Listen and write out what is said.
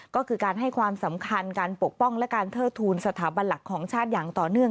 ก็คือการให้ความสำคัญการปกป้องและการเทิดทูลสถาบันหลักของชาติอย่างต่อเนื่อง